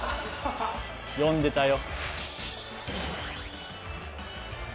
読んでたよ。